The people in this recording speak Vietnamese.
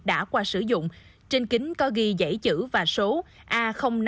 đã qua sử dụng trên kính có ghi giải chữ và số a năm mươi một nghìn tám trăm linh một